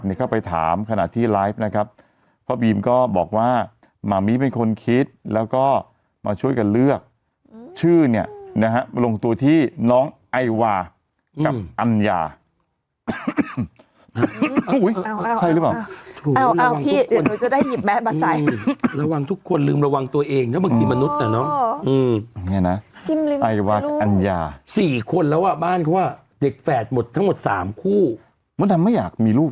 เข้าไปถามขณะที่ไลฟ์นะครับพ่อบีมก็บอกว่าหมามิเป็นคนคิดแล้วก็มาช่วยกันเลือกชื่อเนี่ยนะฮะมาลงตัวที่น้องไอวากับอัญญาใช่หรือเปล่าถูกเอาพี่กลัวหนูจะได้หยิบแมสมาใส่ระวังทุกคนลืมระวังตัวเองนะบางทีมนุษย์น่ะเนอะไอวาอัญญาสี่คนแล้วอ่ะบ้านเขาอ่ะเด็กแฝดหมดทั้งหมดสามคู่มดดำไม่อยากมีลูก